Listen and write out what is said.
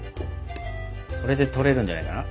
これで取れるんじゃないかな。